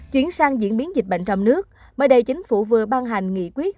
chuyển sang diễn biến dịch bệnh trong nước mới đây chính phủ vừa ban hành nghị quyết